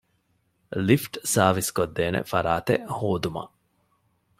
ލިފްޓް ސާރވިސްކޮށްދޭނެ ފަރާތެއް ހޯދުމަށް